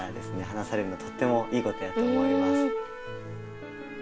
話されるのとってもいいことやと思います。